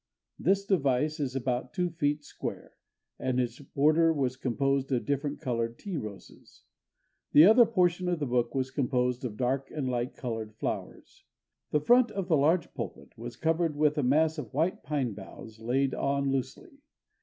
This device was about two feet square, and its border was composed of different colored tea roses. The other portion of the book was composed of dark and light colored flowers.... The front of the large pulpit was covered with a mass of white pine boughs laid on loosely.